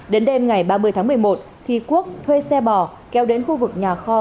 đến đêm ngày ba mươi tháng một mươi một khi quốc thuê xe bỏ kéo đến khu vực nhà kho